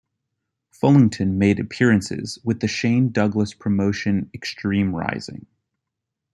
Fullington made appearances with the Shane Douglas promotion Extreme Rising.